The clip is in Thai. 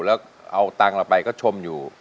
แล้วเอาเงินไปก็ชมอยู่